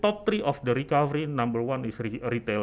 topik tiga dari penyelamat nomor satu adalah perusahaan retail